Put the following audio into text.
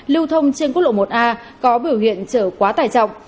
lưu thông trên quốc lộ một a có biểu hiện trở quá tải trọng